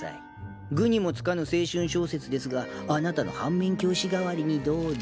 愚にも付かぬ青春小説ですがあなたの反面教師代わりにどうぞ。